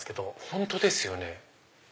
本当ですよね。